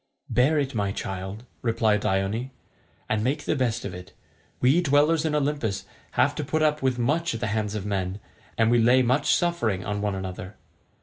"Bear it, my child," replied Dione, "and make the best of it. We dwellers in Olympus have to put up with much at the hands of men, and we lay much suffering on one another.